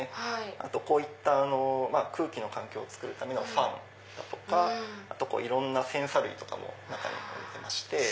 あとこういった空気の環境をつくるためのファンだとかいろんなセンサー類とかも中には入ってまして。